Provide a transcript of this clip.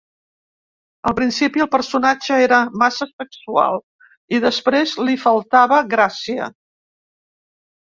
Al principi, el personatge era massa sexual, i després li faltava gràcia.